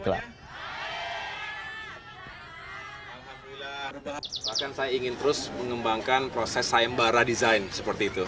bahkan saya ingin terus mengembangkan proses sayembara desain seperti itu